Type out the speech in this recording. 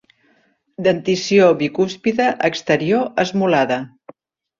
Dentició bicúspide exterior esmolada.